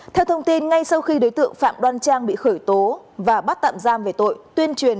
theo thông tin ngay sau khi đối tượng phạm đoan trang bị khởi tố và bắt tạm giam về tội tuyên truyền